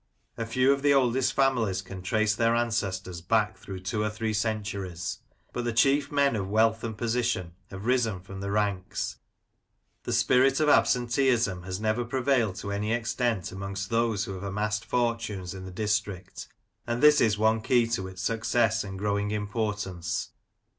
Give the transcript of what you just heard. A few of the oldest families can trace their ancestors back through two or three centuries, but the chief men of wealth and position have risen from the ranks. The spirit of absenteeism has never prevailed to any extent amongst those who have amassed fortunes in the district, and this is one key to its success and growing importance.